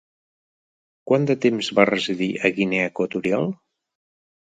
Quant de temps va residir a Guinea Equatorial?